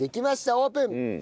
オープン！